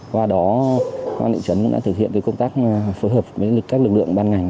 qua đó công an thị trấn cũng đã thực hiện công tác phối hợp với các lực lượng ban ngành